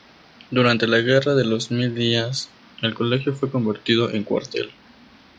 Durante la Guerra de los Mil Días, el colegio fue convertido en cuartel.